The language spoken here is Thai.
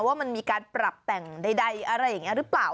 ว่ามันมีการปรับแต่งใดอะไรอย่างนี้หรือเปล่า